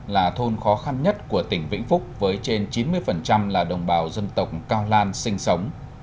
là thôn khó khăn nhất của tỉnh vĩnh phúc với trên chín mươi là đồng bào dân tộc cao lan sinh sống